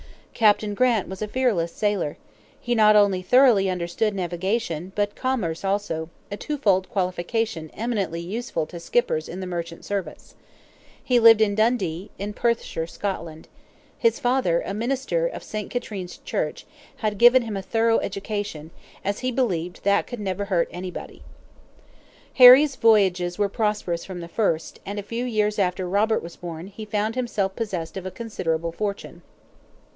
Captain Grant was a fearless sailor. He not only thoroughly understood navigation, but commerce also a two fold qualification eminently useful to skippers in the merchant service. He lived in Dundee, in Perthshire, Scotland. His father, a minister of St. Katrine's Church, had given him a thorough education, as he believed that could never hurt anybody. Harry's voyages were prosperous from the first, and a few years after Robert was born, he found himself possessed of a considerable fortune.